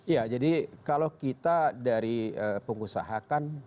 ya jadi kalau kita dari pengusaha kan